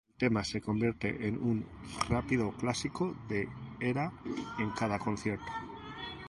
El tema se convierte en un rápido clásico de Era en cada concierto.